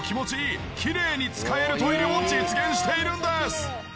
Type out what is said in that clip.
きれいに使えるトイレを実現しているんです！